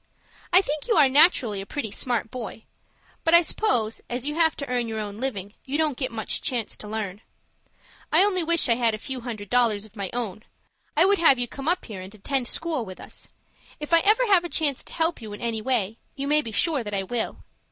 I think you are naturally a pretty smart boy; but I suppose, as you have to earn your own living, you don't get much chance to learn. I only wish I had a few hundred dollars of my own. I would have you come up here, and attend school with us. If I ever have a chance to help you in any way, you may be sure that I will.